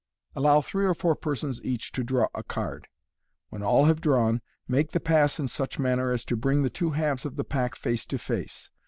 — Allow three or four persons each to draw a card. When all have drawn, make the pass in such manner as to bring the two halves of the pack face to face.